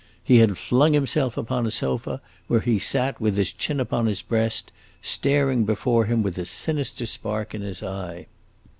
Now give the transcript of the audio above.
He had flung himself upon a sofa, where he sat with his chin upon his breast, staring before him with a sinister spark in his eye.